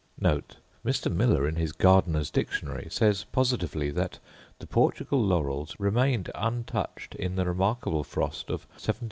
* Mr. Miller, in his Gardener's Dictionary, says positively that the Portugal laurels remained untouched in the remarkable frost of 1739–40.